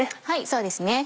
そうですね。